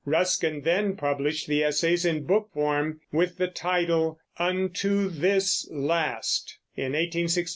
Ruskin then published the essays in book form, with the title Unto This Last, in 1862.